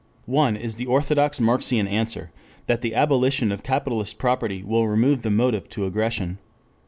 One is the orthodox Marxian answer that the abolition of capitalist property will remove the motive to aggression.